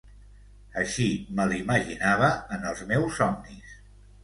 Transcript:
Així me l'imaginava en els meus somnis.